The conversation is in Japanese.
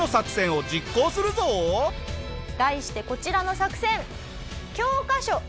題してこちらの作戦！